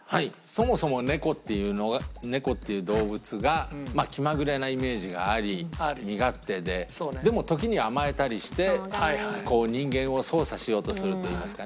そもそも猫っていうのが猫っていう動物が気まぐれなイメージがあり身勝手ででも時には甘えたりして人間を操作しようとするといいますかね